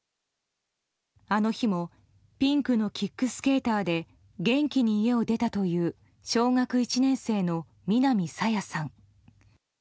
あの日もピンクのキックスケーターで元気に家を出たという小学１年生の南朝芽さん。